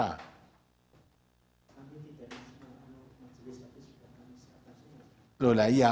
nanti di daerah semua anu majelis tapi sudah nangis apa sih